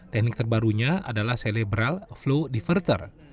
teknik terbarunya adalah cerebral flow diverter